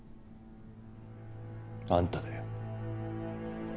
あんただよ。